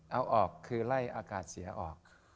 เอาออกคือไล่อากาศเสียออก